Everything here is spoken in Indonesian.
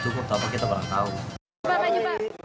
cukup tau kita barang tau